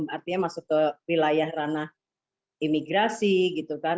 artinya masuk ke wilayah ranah imigrasi gitu kan